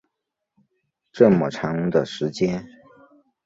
这么长的时间